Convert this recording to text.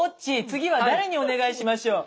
次は誰にお願いしましょう？